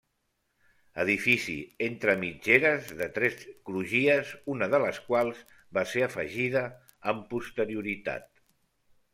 Edifici entre mitgeres de tres crugies, una de les quals va ser afegida amb posterioritat.